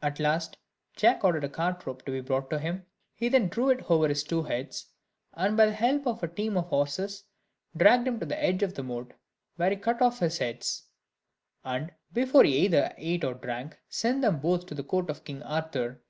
At last Jack ordered a cart rope to be brought to him; he then drew it over his two heads, and by the help of a team of horses, dragged him to the edge of the moat, where he cut off his heads: and before he either ate or drank, sent them both to the court of King Arthur.